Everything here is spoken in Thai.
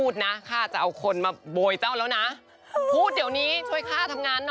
ชิ้น้ำเป็นมาเดี๋ยวค่ะ